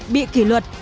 bị kỷ luật